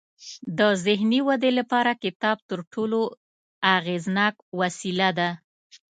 د ذهني ودې لپاره کتاب تر ټولو اغیزناک وسیله ده.